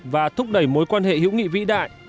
và thúc đẩy mối quan hệ hữu nghị vĩ đại